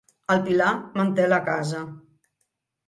El pilar manté la casa.